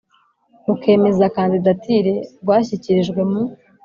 rukemeza kandidatire rwashyikirijwe mu